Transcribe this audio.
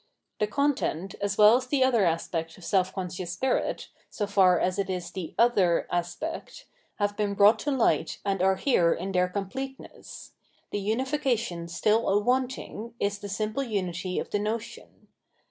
The content, as well as the other aspect of self conscious spirit, so far as it is the other aspect, have been brought to light and are here in their completeness : the unification stiU a wanting is the simple unity of the notion.